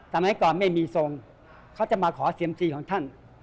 สมัยก่อนไม่มีทรงเขาจะมาขอเซียมซีของท่าน